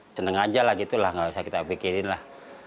seneng aja lah gitu lah nggak usah kita pikirin lah